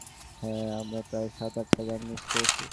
হ্যাঁ, আমরা প্রায় সাত - আটটা গান মিস করেছি।